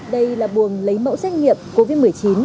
đây là buồng lấy mẫu xét nghiệm covid một mươi chín